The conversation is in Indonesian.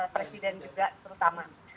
presiden juga terutama